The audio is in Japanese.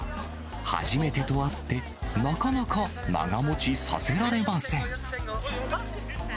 初めてとあって、なかなか長持ちさせられません。